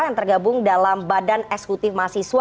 yang tergabung dalam badan eksekutif mahasiswa